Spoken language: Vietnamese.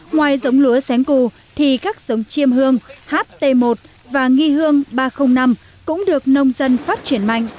ngoài giống lúa sén cù thì các giống chiêm hương ht một và nghi hương ba trăm linh năm cũng được nông dân phát triển mạnh